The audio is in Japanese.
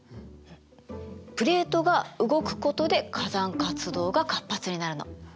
プレートが動くことで火山活動が活発になるの。